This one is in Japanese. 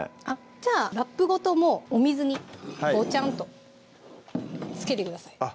じゃあラップごともうお水にボチャンとつけてくださいあっ